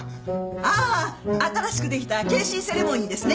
ああ新しくできた京神セレモニーですね。